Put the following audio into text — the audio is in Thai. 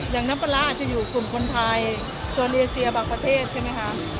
อย่างน้ำปลาร้าอาจจะอยู่กลุ่มคนไทยส่วนเอเซียบางประเทศใช่ไหมครับ